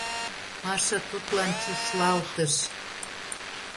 — Маша тудлан чушлалтыш.